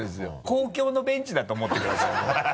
公共のベンチだと思ってください。